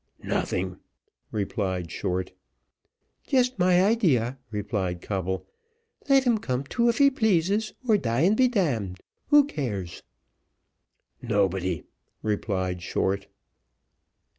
"Nothing," replied Short. "Just my idea," replied Coble; "let him come to if he pleases, or die and be d d. Who cares?" "Nobody," replied Short.